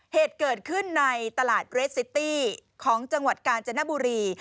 เหตุเกิดขึ้นในตลาดเรสซิตี้ของจังหวัดกาญจนบุรี